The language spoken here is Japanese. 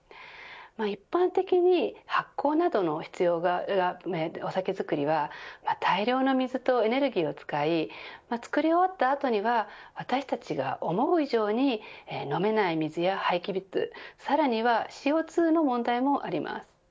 一般的に発酵などの必要なお酒造りは大量の水とエネルギーを使い造り終わった後には私たちが思う以上に飲めない水や廃棄物さらにはＣＯ２の問題もあります。